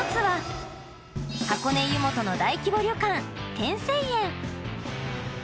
箱根湯本の大規模旅館